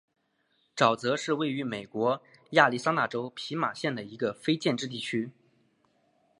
沼泽是位于美国亚利桑那州皮马县的一个非建制地区。